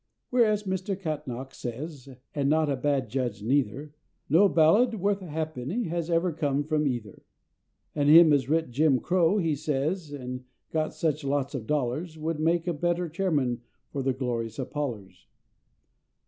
Whereas, as Mr. Catnach says, and not a bad judge neither, No ballad worth a ha'penny has ever come from either, And him as writ "Jim Crow," he says, and got such lots of dollars, Would make a better Chairman for the Glorious Apollers.